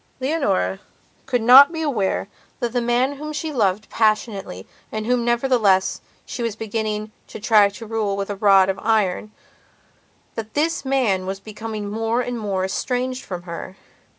Leonora could not be aware that the man whom she loved passionately and whom, nevertheless, she was beginning to try to rule with a rod of ironthat this man was becoming more and more estranged from her.